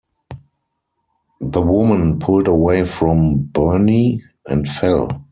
The woman pulled away from Burnie and fell.